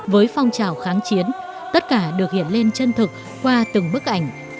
với phong trào kháng chiến tất cả được hiện lên chân thực qua từng bức ảnh